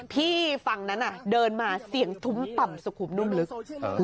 พี่ฝั่งนั้นเดินมาเสียงทุ้มต่ำสุขุมนุ่มลึก